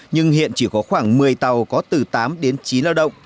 nhưng hiện chỉ có khoảng một mươi tàu có từ tám đến chín lao động